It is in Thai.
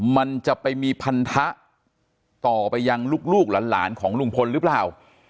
มันจะไปมีพันธะต่อไปยังลูกหลานของลุงพลหรือเปล่า